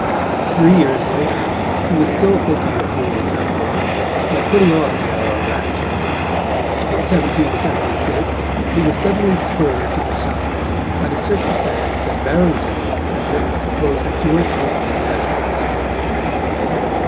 Three years later he was still thinking of doing something, but putting off the hour of action. In 1776 he was suddenly spurred to decide by the circumstance that Barrington had written to propose a joint work on natural history.